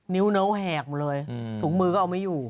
นิ้วเนาแหกมาเลยถุงมือออกไม่อยู่